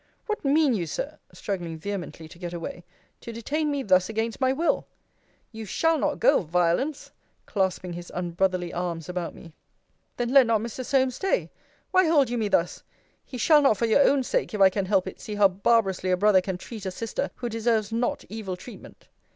What mean you, Sir, [struggling vehemently to get away,] to detain me thus against my will? You shall not go, Violence; clasping his unbrotherly arms about me. Then let not Mr. Solmes stay. Why hold you me thus? he shall not for your own sake, if I can help it, see how barbarously a brother can treat a sister who deserves not evil treatment.